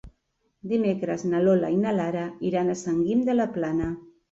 Dimecres na Lola i na Lara iran a Sant Guim de la Plana.